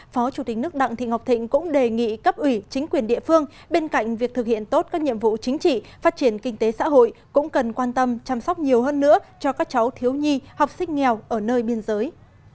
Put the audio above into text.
phó chủ tịch nước đặng thị ngọc thịnh cũng đề nghị cấp ủy chính quyền địa phương bên cạnh việc thực hiện tốt các nhiệm vụ chính trị phát triển kinh tế xã hội cũng cần quan tâm chăm sóc nhiều hơn nữa cho các cháu thiếu nhi học sinh nghèo ở nơi biên giới